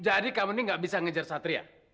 jadi kamu ini nggak bisa ngejar satria